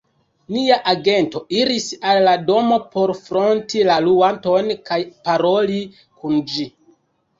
nia agento iris al la domo por fronti la luanton kaj paroli kun ĝi.